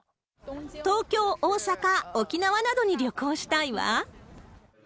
東京、大阪、沖縄などに旅行したいわ。